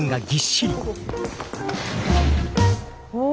お。